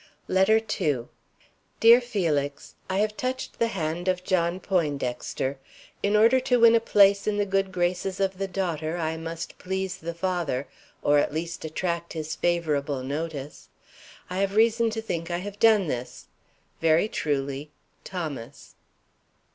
LETTER II. DEAR FELIX: I have touched the hand of John Poindexter. In order to win a place in the good graces of the daughter I must please the father, or at least attract his favorable notice. I have reason to think I have done this. Very truly, THOMAS.